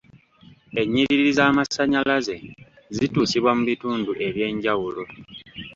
Ennyiriri z'amasannyalaze zituusibwa mu bintu ebyenjawulo.